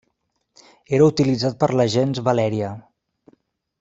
Era utilitzat per la gens Valèria.